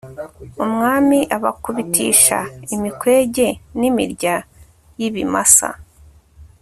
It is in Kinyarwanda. umwami abakubitisha imikwege n'imirya y'ibimasa